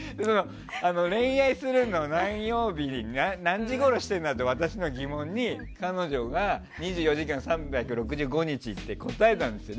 恋愛するの何曜日に何時ごろしてるんだろうっていう私の疑問に彼女が２４時間３６５日って答えたんですよ。